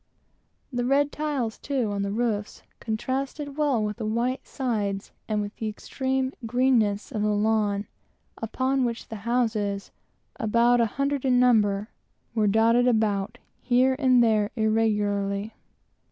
The red tiles, too, on the roofs, contrasted well with the white plastered sides and with the extreme greenness of the lawn upon which the houses about an hundred in number were dotted about, here and there, irregularly.